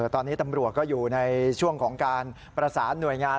ตอนนี้ตำรวจก็อยู่ในช่วงของการประสานหน่วยงาน